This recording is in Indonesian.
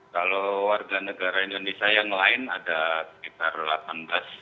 kalau warga negara indonesia yang lain ada sekitar delapan belas sembilan belas orang